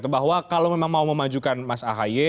bahwa kalau memang mau memajukan mas ahy